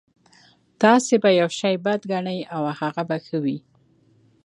تاسې به يو شی بد ګڼئ او هغه به ښه وي.